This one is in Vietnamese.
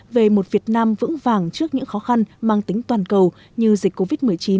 về một việt nam vững vàng trước những khó khăn mang tính toàn cầu như dịch covid một mươi chín